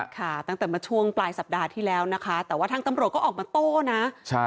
ค่ะตั้งแต่มาช่วงปลายสัปดาห์ที่แล้วนะคะแต่ว่าทางตำรวจก็ออกมาโต้นะ